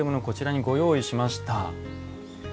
こちらにご用意しました。